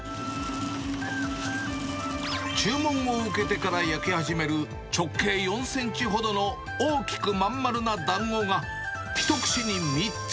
注文を受けてから焼き始める、直径４センチほどの大きく真ん丸なだんごが、１串に３つ。